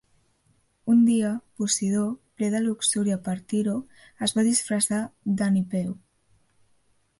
Un dia, Posidó, ple de luxúria per Tiro, es va disfressar d'Enipeu.